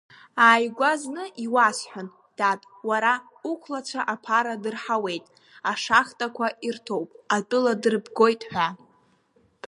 Ааигәа зны иуасҳәон, дад, уара уқәлацәа аԥара дырҳауеит, ашахтақәа ирҭоуп, атәыла дырбгоит ҳәа.